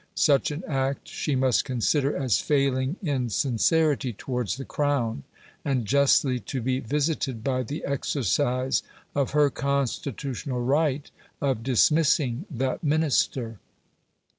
Such an act she must consider as failing in sincerity towards the Crown, and justly to be visited by the exercise of her constitutional right of dismissing that Minister.